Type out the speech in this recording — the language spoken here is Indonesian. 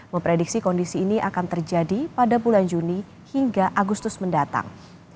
memprediksi kondisi ini akan terjadi pada bulan juni hingga agustus mendatang